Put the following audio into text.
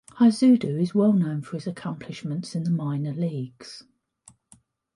Hyzdu is well known for his accomplishments in the minor leagues.